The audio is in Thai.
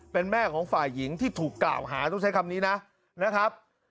เป็นแม่ของฝ่ายหญิงที่ถูกกล่าวหาต้องใช้คำนี้นะนะครับ